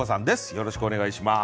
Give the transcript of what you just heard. よろしくお願いします。